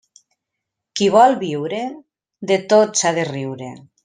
Qui vol viure, de tot s'ha de riure.